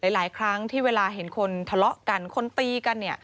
หลายครั้งที่เวลาเห็นคนทะเลาะกันคนตีกัน